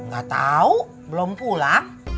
gak tau belum pulang